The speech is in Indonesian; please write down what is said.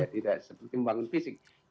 tidak seperti membangun fisik